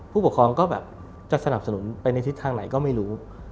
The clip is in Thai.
ผู้ปกครองก็แบบจะสนับสนุนไปในทิศทางไหนก็ไม่รู้